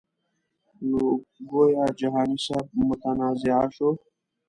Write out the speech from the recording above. نو ګویا جهاني صاحب متنازعه شو.